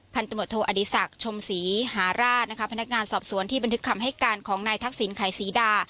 พันตำรวจโทอดิสักชมศรีหาราชพนักงานสอบสวนที่บันทึกคำให้การของนายทักศิลป์ไขซีดา